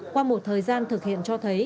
qua một thời gian thực hiện cho thấy